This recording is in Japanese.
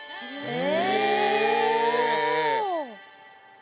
え！？